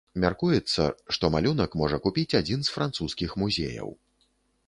Мяркуецца, што малюнак можа купіць адзін з французскіх музеяў.